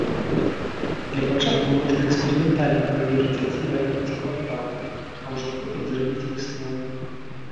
Для пачатку можна эксперыментальна праверыць адзін раён ці квартал, а ўжо потым зрабіць высновы.